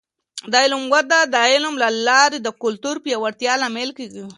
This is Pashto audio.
د علم وده د علم له لارې د کلتور پیاوړتیا لامل کیږي.